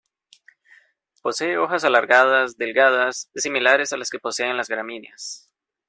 Posee hojas alargadas, delgadas, similares a las que poseen las gramíneas.